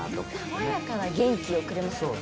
爽やかな元気をくれますよね